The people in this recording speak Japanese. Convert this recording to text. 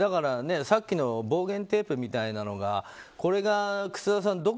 さっきの暴言テープみたいなのがこれが楠田さん